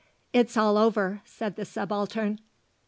"It's all over," said the Subaltern.